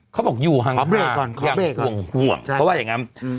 เขาบอกอยู่ห่างอย่างห่วงห่วงเพราะว่าอย่างงั้นอืม